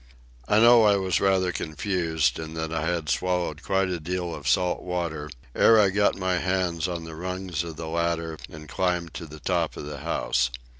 I know I was rather confused, and that I had swallowed quite a deal of salt water, ere I got my hands on the rungs of the ladder and climbed to the top of the house.